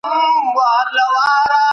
د ملګرو نیمګړتیاوې په څېړنه کې مه پټوئ.